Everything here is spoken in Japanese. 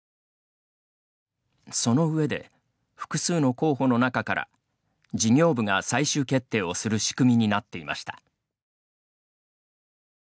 その上で、複数の候補の中から事業部が最終決定をする仕組みになっていました。